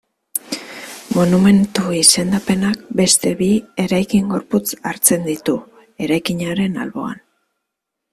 Monumentu izendapenak beste bi eraikin-gorputz hartzen ditu, eraikinaren alboan.